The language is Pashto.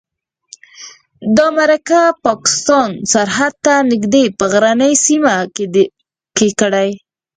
دا مرکه پاکستان سرحد ته نږدې په غرنۍ سیمه کې کړې.